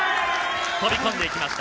飛び込んでいきました。